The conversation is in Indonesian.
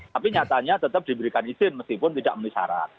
tapi nyatanya tetap diberikan izin meskipun tidak memenuhi syarat